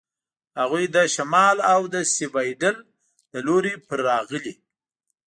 هغوی له شمال او د سیوایډل له لوري پر راغلي.